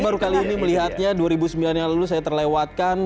baru kali ini melihatnya dua ribu sembilan yang lalu saya terlewatkan